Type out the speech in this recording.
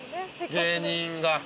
芸人が。